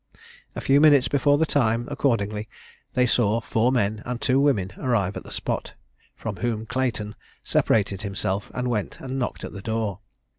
A few minutes before the time, accordingly, they saw four men and two women arrive at the spot, from whom Clayton separated himself and went and knocked at the door.